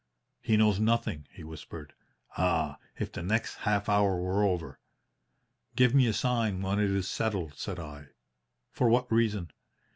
"'He knows nothing,' he whispered. 'Ah, if the next half hour were over!' "'Give me a sign when it is settled,' said I. "'For what reason?'